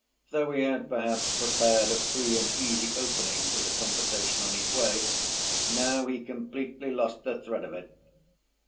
Though he had perhaps prepared a free‐and‐easy opening for the conversation on his way, now he completely lost the thread of it.